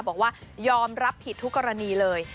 บอกว่ายอมรับผิดทุกกรณีเลย